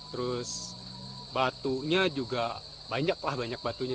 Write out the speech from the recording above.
terus batunya juga banyak lah banyak batunya